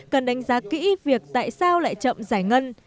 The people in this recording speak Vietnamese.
cần đánh giá kỹ việc tại sao lại chậm giải ngân